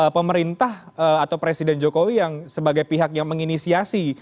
pemerintah atau presiden jokowi yang sebagai pihak yang menginisiasi